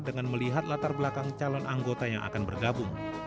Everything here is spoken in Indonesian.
dengan melihat latar belakang calon anggota yang akan bergabung